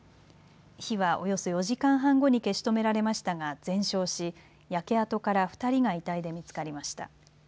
火はおよそ４時間半後に消し止められましたが全焼し焼け跡から２人が遺体で見つかりました。